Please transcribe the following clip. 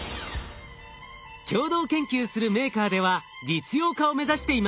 共同研究するメーカーでは実用化を目指しています。